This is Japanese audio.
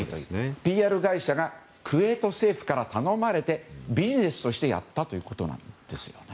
ＰＲ会社がクウェート政府から頼まれてビジネスとしてやったということなんです。